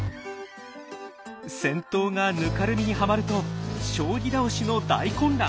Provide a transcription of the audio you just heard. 先頭がぬかるみにはまると将棋倒しの大混乱。